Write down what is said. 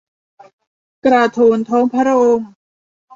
กระโถนท้องพระโรง